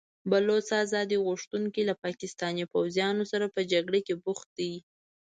بلوڅ ازادي غوښتونکي له پاکستاني پوځیانو سره په جګړه بوخت دي.